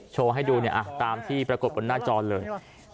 โชว์ให้ดูตามที่ปรากฏบนหน้าจอเลย